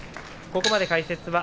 ここまで解説は